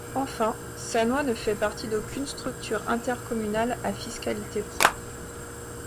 Enfin, Sannois ne fait partie d'aucune structure intercommunale à fiscalité propre.